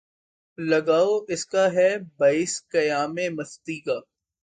لگاؤ اس کا ہے باعث قیامِ مستی کا